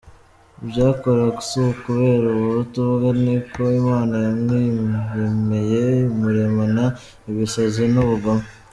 Ibyakora sukubera ubuhutu bwe ni ko Imana yamwiremeye, imuremana ibisazi n’ubugome